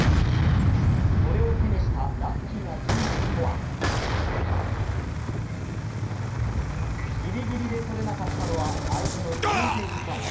それを手にしたラッキーな人物とはギリギリでとれなかったのは相手のブルージェイズファン。